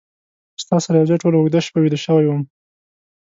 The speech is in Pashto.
ستا سره یو ځای ټوله اوږده شپه ویده شوی وم